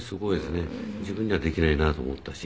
自分にはできないなと思ったし。